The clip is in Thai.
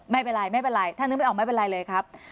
ไม่เป็นไรไม่เป็นไรถ้านึกไม่ออกไม่เป็นไรเลยครับ